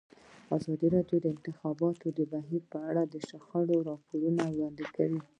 ازادي راډیو د د انتخاباتو بهیر په اړه د شخړو راپورونه وړاندې کړي.